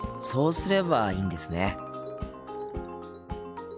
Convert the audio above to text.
そうすればいいんですね。